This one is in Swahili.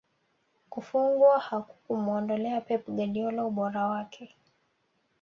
Kufungwa hakukumuondolea Pep Guardiola ubora wake